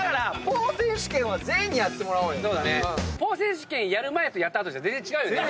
選手権やる前とやった後じゃ全然違うよね。